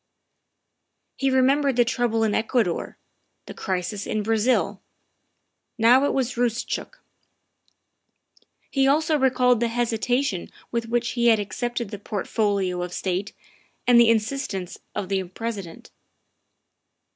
He remembered the trouble in Ecuador, the crisis in Brazil. Now it was Eoostchook. He also recalled the hesitation with which he had accepted the Portfolio of State and the insistence of the President.